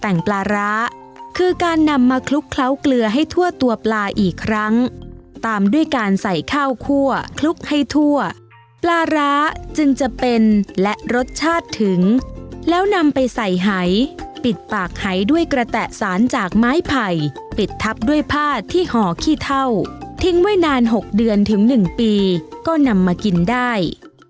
แต่งปลาร้าคือการนำมาคลุกเคล้าเกลือให้ทั่วตัวปลาอีกครั้งตามด้วยการใส่ข้าวคั่วคลุกให้ทั่วปลาร้าจึงจะเป็นและรสชาติถึงแล้วนำไปใส่หายปิดปากหายด้วยกระแตะสารจากไม้ไผ่ปิดทับด้วยผ้าที่ห่อขี้เท่าทิ้งไว้นาน๖เดือนถึง๑ปีก็นำมากินได้